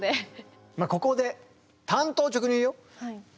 ここで単刀直入に言うよ。